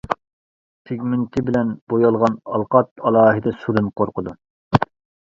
پىگمېنتى بىلەن بويالغان ئالقات ئالاھىدە سۇدىن قورقىدۇ.